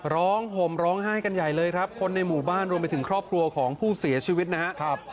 ห่มร้องไห้กันใหญ่เลยครับคนในหมู่บ้านรวมไปถึงครอบครัวของผู้เสียชีวิตนะครับ